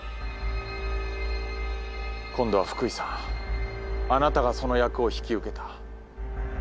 今度は福井さんあなたがその役を引き受けた。